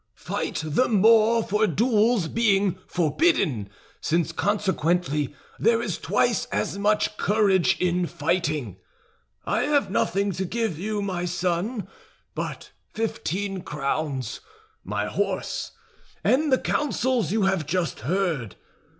Fight the more for duels being forbidden, since consequently there is twice as much courage in fighting. I have nothing to give you, my son, but fifteen crowns, my horse, and the counsels you have just heard.